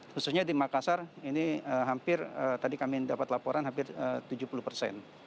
khususnya di makassar ini hampir tadi kami dapat laporan hampir tujuh puluh persen